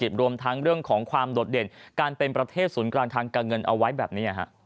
รวมทั้งเรื่องของความโดดเด่นการเป็นประเทศศูนย์กลางทางการเงินเอาไว้แบบนี้